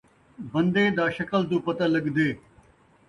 بندے دا شکل توں پتہ لڳدے